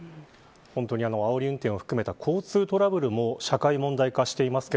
本当にあおり運転を含めた交通トラブルも社会問題化していますが